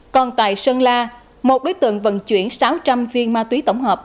còn tại sơn la một đối tượng vận chuyển sáu trăm linh viên ma túy tổng hợp